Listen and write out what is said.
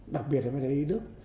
đặc biệt là bệnh nhân y đức